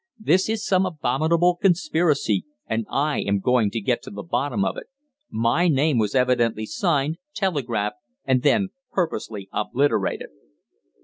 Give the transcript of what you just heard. "This is some abominable conspiracy, and I am going to get to the bottom of it. My name was evidently signed, telegraphed, and then purposely obliterated."